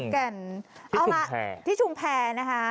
ขอนแก่นที่ชุงแพร